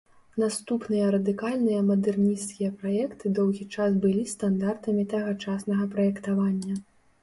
Наступныя радыкальныя мадэрнісцкія праекты доўгі час былі стандартамі тагачаснага праектавання.